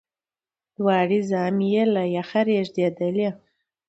دواړي زامي یې له یخه رېږدېدلې